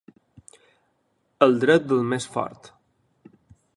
El dret del més fort.